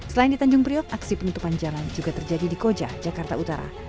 selain di tanjung priok aksi penutupan jalan juga terjadi di koja jakarta utara